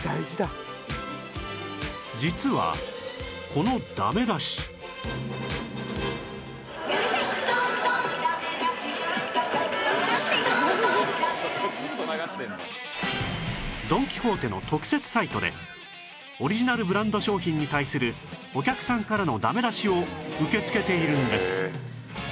そんなダメ出しでドン・キホーテの特設サイトでオリジナルブランド商品に対するお客さんからのダメ出しを受け付けているんです